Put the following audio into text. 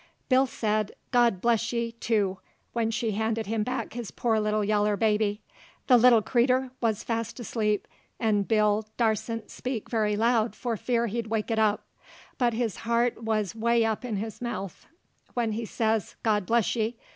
Bill said, "God bless ye!" too, when she handed him back his poor little yaller baby. The little creeter wuz fast asleep, 'nd Bill darsent speak very loud for fear he'd wake it up. But his heart wuz 'way up in his mouth when he says "God bless ye!"